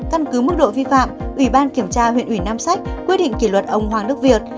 căn cứ mức độ vi phạm ủy ban kiểm tra huyện ủy nam sách quyết định kỷ luật ông hoàng đức việt